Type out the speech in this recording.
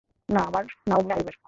না আমার, না উম্মে আইয়ুবের।